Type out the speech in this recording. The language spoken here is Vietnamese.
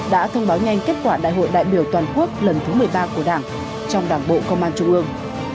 đã thông báo nhanh kết quả đại hội đại biểu toàn quốc lần thứ một mươi ba của đảng trong đảng bộ công an trung ương